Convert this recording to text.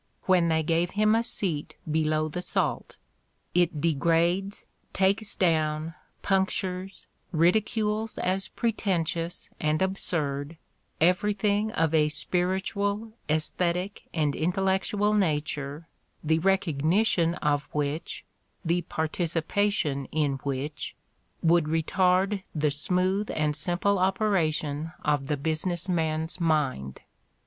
— ^when they gave him a seat below the salt: it degrades, "takes down," punctures, ridicules as pretentious and absurd everything of a spiritual, esthetic and intellectual na ture the recognition of which, the participation in which, ■would retard the smooth and simple operation of the business man's mind.